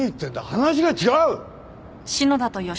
話が違う！